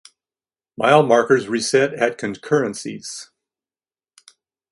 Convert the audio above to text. Mile markers reset at concurrencies.